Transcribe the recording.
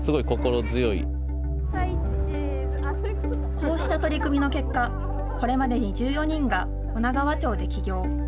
こうした取り組みの結果、これまでに１４人が、女川町で起業。